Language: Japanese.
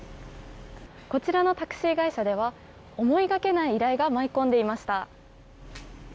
こちらのタクシー会社では思いがけない依頼が舞い込んでいました。